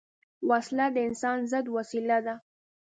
وسله د انسان ضد وسیله ده